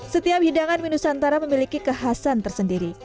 setiap hidangan minusantara memiliki kekhasan tersendiri